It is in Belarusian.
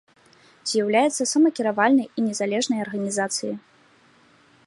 З'яўляецца самакіравальнай і незалежнай арганізацыяй.